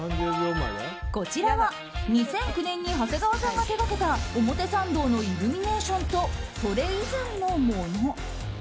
こちらは、２００９年に長谷川さんが手掛けた表参道のイルミネーションとそれ以前のもの。